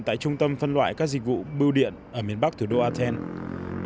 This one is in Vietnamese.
tại trung tâm phân loại các dịch vụ bưu điện ở miền bắc thủ đô athens